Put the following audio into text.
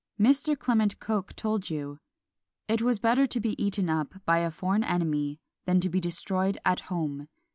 Mr. Clement Coke told you, "It was better to be eaten up by a foreign enemy than to be destroyed at home!"